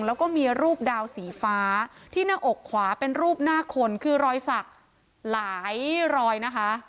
แล้วก็มีรูปดาวสีฟ้าที่หน้าอกขวาเป็นรูปหน้าคนคือรอยสักหลายรอยนะคะ